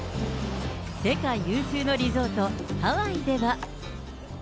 世界有数のリゾート、ハワイでは。